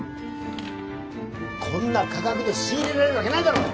こんな価格で仕入れられるわけないだろ